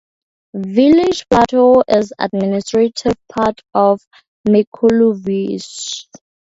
Village Blato is administrative part of Mikulovice.